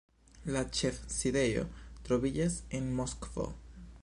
La ĉefsidejo troviĝas en Moskvo.